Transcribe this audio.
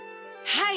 はい。